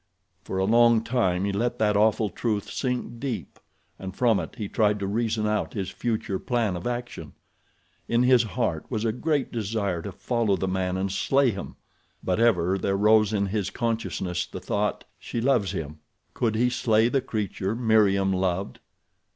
For a long time he let that awful truth sink deep, and from it he tried to reason out his future plan of action. In his heart was a great desire to follow the man and slay him; but ever there rose in his consciousness the thought: She loves him. Could he slay the creature Meriem loved?